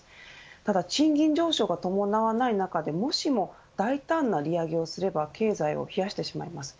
ただ、賃金上昇が伴わない中でもしも大胆な利上げをすれば経済を冷やしてしまいます。